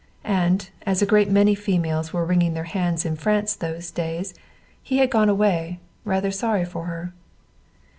And, as a great many females were wringing their hands in France those days, he had gone away, rather sorry for her.